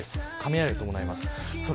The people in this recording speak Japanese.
雷を伴います。